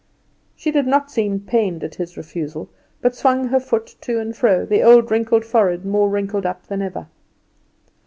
She did not seem pained at his refusal, but swung her foot to and fro, the little old wrinkled forehead more wrinkled up than ever.